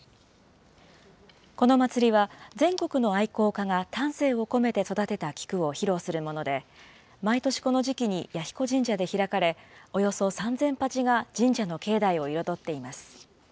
この祭りは、全国の愛好家が丹精を込めて育てた菊を披露するもので、毎年この時期に彌彦神社で開かれ、およそ３０００鉢が神社の境内を彩っています。